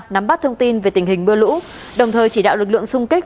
nắm bắt thông tin về tình hình mưa lũ đồng thời chỉ đạo lực lượng sung kích